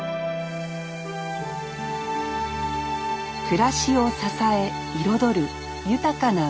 暮らしを支え彩る豊かな海。